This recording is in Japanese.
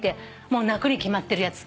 もう泣くに決まってるやつ。